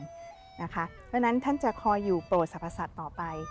ดังนั้นท่านจะคอยอยู่โตตบีวศรัพทศัสดิ์ต่อไป